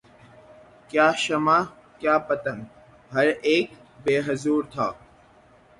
کیا شمع کیا پتنگ ہر اک بے حضور تھا